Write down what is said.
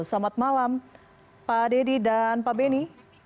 selamat malam pak dedy dan pak benny